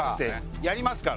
やりますから。